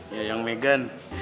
ya yang megan